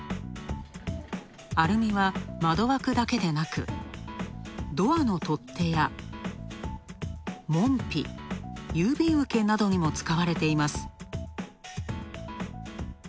アルミは窓枠だけでなく、ドアの取っ手や門扉、郵便受けなどにも使われています。